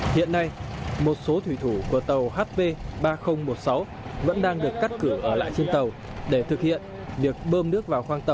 hiện nay một số thủy thủ của tàu hp ba nghìn một mươi sáu vẫn đang được cắt cửa ở lại trên tàu để thực hiện việc bơm nước